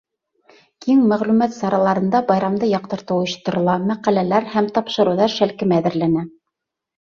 Киң мәғлүмәт сараларында байрамды яҡтыртыу ойошторола, мәҡәләләр һәм тапшырыуҙар шәлкеме әҙерләнә.